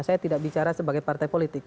saya tidak bicara sebagai partai politik